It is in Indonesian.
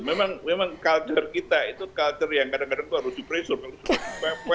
memang culture kita itu culture yang kadang kadang itu harus di pressure